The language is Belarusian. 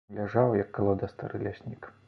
Ляжаў, як калода, стары ляснік.